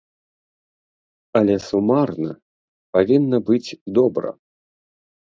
Але сумарна павінна быць добра.